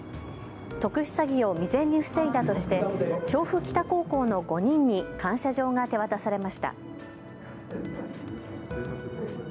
特殊詐欺を未然に防いだとして調布北高校の５人に感謝状が手渡されました。